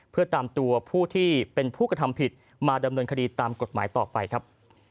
เพื่อตามตัวผู้ที่เป็นผู้กระทำผิดมาดำเนินคดีตามกฎหมายต่อไปครับ